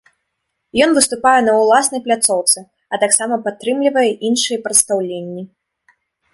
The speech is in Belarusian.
Ён выступае на ўласнай пляцоўцы, а таксама падтрымлівае іншыя прадстаўленні.